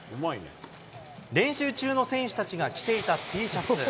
練習中の選手たちが着ていたＴシャツ。